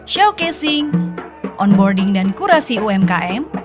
showcasing onboarding dan kurasi umkm